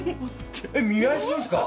えっ見合いするんですか？